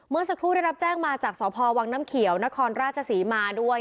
เมื่อสักครู่ได้รับแจ้งมาจากสพวังน้ำเขียวนครราชศรีมาด้วย